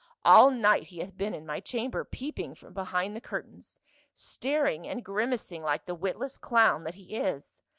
All night he hath been in my chamber, peeping from behind the cur tains, staring and grimacing like the witless clown that he is.